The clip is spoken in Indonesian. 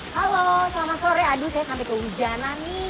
halo selamat sore aduh saya sampai ke hujana nih